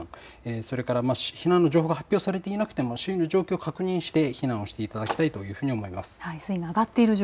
それから避難の情報が発表されていなくても周囲の状況を確認して避難していただきたいというふうに思います。